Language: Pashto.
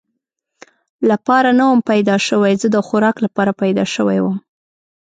لپاره نه ووم پیدا شوی، زه د خوراک لپاره پیدا شوی ووم.